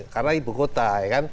karena ibu kota